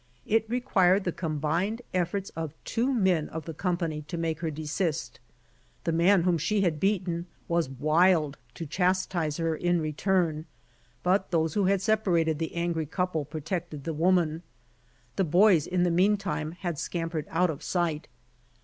It required the combined efforts of two men of the com pany to make her desist. The man whom she had beaten was wild to chastise her in return, but tliose who had separated the angry couple protected the woman. The boys in the meantime had scampered out of sight.